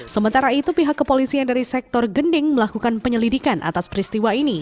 sementara itu pihak kepolisian dari sektor gending melakukan penyelidikan atas peristiwa ini